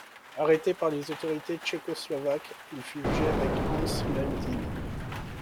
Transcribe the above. Arrêté par les autorités tchécoslovaques, il fut jugé avec Hanns Ludin.